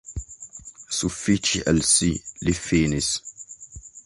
Sufiĉi al si, li finis.